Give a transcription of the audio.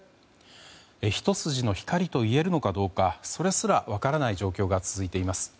一筋の光といえるのかどうかそれすら分からない状況が続いています。